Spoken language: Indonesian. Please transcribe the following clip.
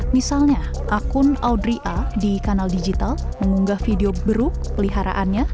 misalnya akun audria di kanal digital mengunggah video beruk peliharaan